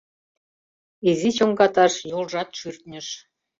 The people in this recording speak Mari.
Изи чоҥгаташ йолжат шӱртньыш.